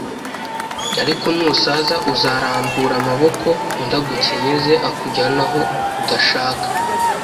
ariko nusaza uzarambura amaboko undi agukenyeze, akujyane aho udashaka.”